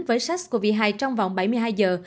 với sars cov hai trong vòng bảy mươi hai giờ